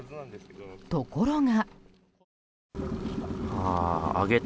ところが。